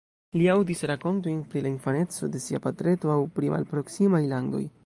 Li aŭdis rakontojn pri la infaneco de sia patreto aŭ pri malproksimaj landoj.